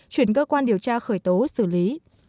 chuyển cơ quan điều tra khởi tố xử lý